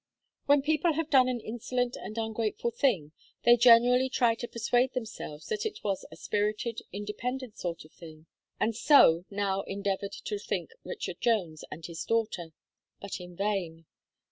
When people have done an insolent and ungrateful thing, they generally try to persuade themselves that it was a spirited, independent sort of thing; and so now endeavoured to think Richard Jones and his daughter but in vain.